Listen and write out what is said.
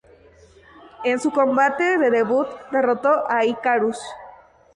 En su combate de debut derrotó a Icarus.